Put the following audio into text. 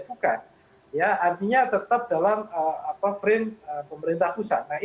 bukan ya artinya tetap dalam frame pemerintah pusat